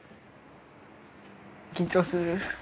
緊張する。